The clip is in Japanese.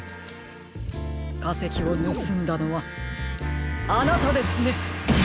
かせきをぬすんだのはあなたですね！